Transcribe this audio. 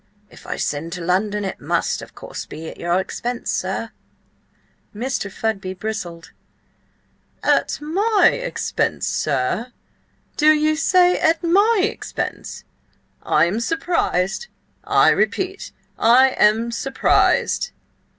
If I send to London, it must, of course, be at your expense, sir." Mr. Fudby bristled. "At my expense, sir? Do ye say at my expense? I am surprised! I repeat–I am surprised!"